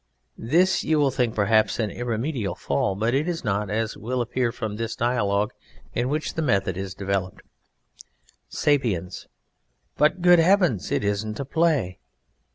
This you will think perhaps an irremediable fall, but it is not, as will appear from this dialogue, in which the method is developed: SAPIENS. But, Good Heavens, it isn't a play!